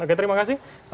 oke terima kasih